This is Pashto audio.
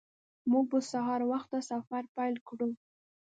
موږ به سهار وخته سفر پیل کړو